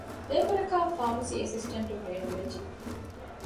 ލޭބަރަކާއި ފާމަސީ އެސިސްޓެންޓުން ބޭނުންވެއްޖެ